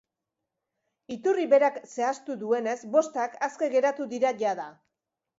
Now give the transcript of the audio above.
Iturri berak zehaztu duenez, bostak aske geratu dira jada.